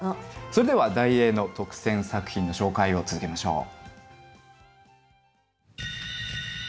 それでは題詠の特選作品の紹介を続けましょう。